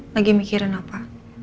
lagi mikirin apa